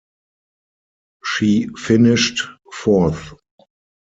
She finished fourth.